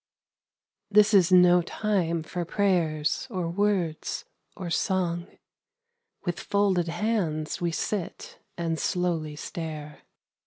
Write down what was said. SONNET. THIS is no time for prayers or words or song. With folded hands we sit and slowly stare.